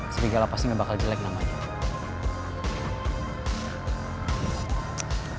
serigala pasti nggak bakal jelek namanya